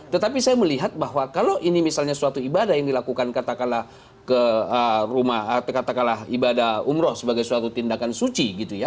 tetapi saya melihat bahwa kalau ini misalnya suatu ibadah yang dilakukan katakanlah ke rumah atau katakanlah ibadah umroh sebagai suatu tindakan suci gitu ya